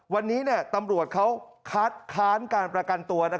วันนี้ตำรวจเขาคัดค้านการประกันตัว